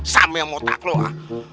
sama yang otak lo ah